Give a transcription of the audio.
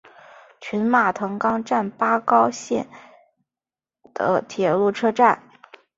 群马藤冈站八高线的铁路车站。